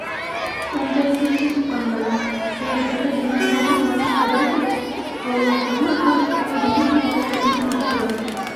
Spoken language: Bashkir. Унда икенсе суҡанлай, һыйырҙары бынан һауҙырмай, күрәһең, һауала тоҙло-боросло һүгенеү яңғырағы эленеп тора.